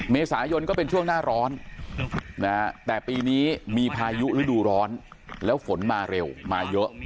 เมษายนก็เป็นช่วงหน้าร้อนแต่ปีนี้มีพายุฤดูร้อนแล้วฝนมาเร็วมาเยอะ